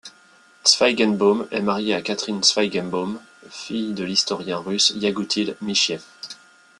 Tsvaygenbaum est marié à Catherine Tsvaygenbaum, fille de l'historien russe Yagutil Mishiev.